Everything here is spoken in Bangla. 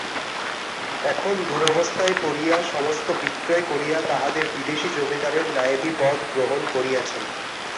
এখন দুরবস্থায় পড়িয়া সমস্ত বিক্রয় করিয়া তাঁহাদের বিদেশী জমিদারের নায়েবি পদ গ্রহণ করিয়াছেন।